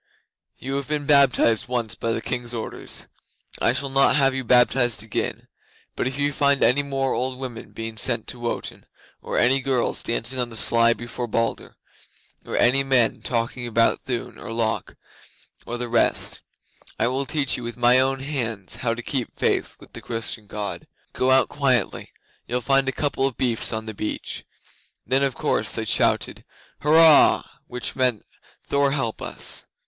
You have been baptized once by the King's orders. I shall not have you baptized again; but if I find any more old women being sent to Wotan, or any girls dancing on the sly before Balder, or any men talking about Thun or Lok or the rest, I will teach you with my own hands how to keep faith with the Christian God. Go out quietly; you'll find a couple of beefs on the beach." Then of course they shouted "Hurrah!" which meant "Thor help us!"